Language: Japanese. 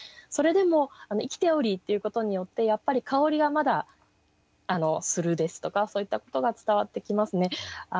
それでも「生きてをり」っていうことによってやっぱり香りがまだするですとかそういったことが伝わってきますね。